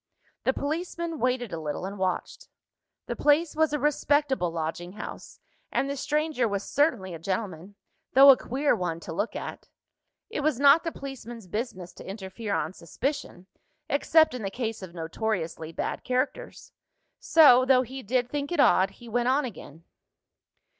The policeman waited a little, and watched. The place was a respectable lodging house, and the stranger was certainly a gentleman, though a queer one to look at. It was not the policeman's business to interfere on suspicion, except in the case of notoriously bad characters. So, though he did think it odd, he went on again.